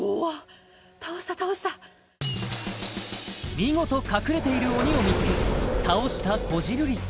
見事隠れている鬼を見つけ倒したこじるり